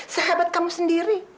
sahabat kamu sendiri